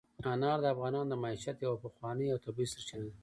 انار د افغانانو د معیشت یوه پخوانۍ او طبیعي سرچینه ده.